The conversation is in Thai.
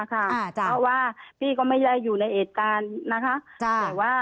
ค่ะอ่าจ้ะเพราะว่าพี่ก็ไม่ได้อยู่ในเอกตานนะคะจ้ะแต่ว่า